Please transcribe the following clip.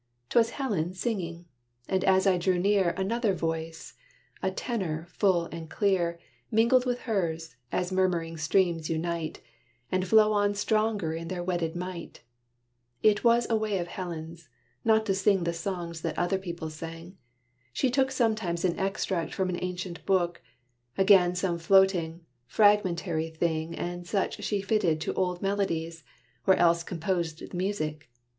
'T was Helen singing: and, as I drew near, Another voice, a tenor full and clear, Mingled with hers, as murmuring streams unite, And flow on stronger in their wedded might. It was a way of Helen's, not to sing The songs that other people sang. She took Sometimes an extract from an ancient book; Again some floating, fragmentary thing And such she fitted to old melodies, Or else composed the music.